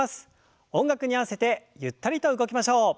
音楽に合わせてゆったりと動きましょう。